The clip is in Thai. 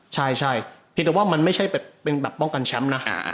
ใช่เพียงแต่ว่ามันไม่ใช่เป็นแบบป้องกันแชมป์นะ